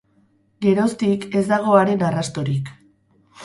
Geroztik, ez dago haren arrastorik.